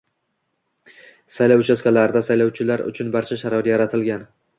Saylov uchastkalarida saylovchilar uchun barcha sharoit yaratilgan